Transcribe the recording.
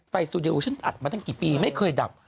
ซูเดลฉันอัดมาตั้งกี่ปีไม่เคยดับ